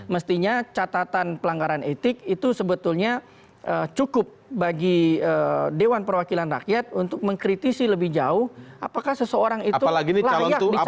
mestinya catatan pelanggaran etik itu sebetulnya cukup bagi dewan perwakilan rakyat untuk mengkritisi lebih jauh apakah seseorang itu layak dicari